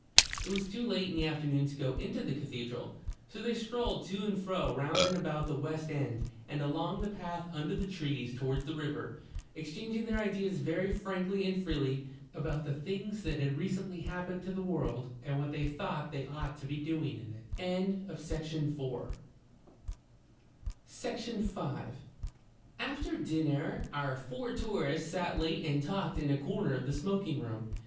It was too late in the afternoon to go into the cathedral, so they strolled to and fro round and about the west end and along the path under the trees towards the river, exchanging their ideas very frankly and freely about the things that had recently happened to the world and what they thought they ought to be doing in it. Section 5 After dinner our four tourists sat late and talked in a corner of the smoking room.